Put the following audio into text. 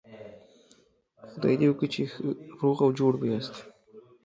دوی د غریبانو له مجبوریت ګټه اخلي.